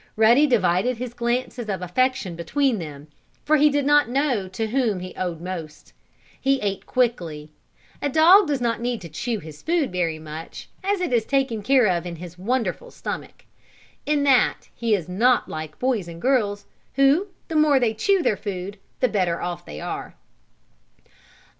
Ruddy divided his glances of affection between them, for he did not know to whom he owed most. He ate quickly. A dog does not need to chew his food very much, as it is taken care of in his wonderful stomach. In that he is not like boys and girls, who, the more they chew their food, the better off they are.